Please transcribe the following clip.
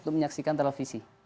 untuk menyaksikan televisi